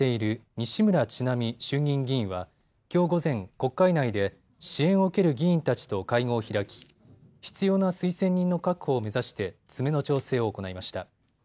西村智奈美衆議院議員はきょう午前、国会内で支援を受ける議員たちと会合を開き必要な推薦人の確保を目指して詰めの調整を行いました。